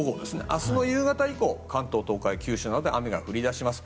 明日夕方以降関東・東海九州などで雨が降り出します。